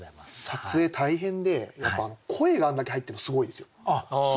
撮影大変でやっぱ声があんだけ入ってるのすごいですよ。